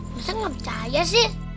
masa gak percaya sih